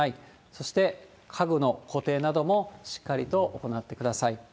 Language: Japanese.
そして、家具の固定なども、しっかりと行ってください。